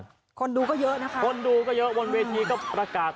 คนดูก็เยอะนะคะคนดูก็เยอะบนเวทีก็ประกาศ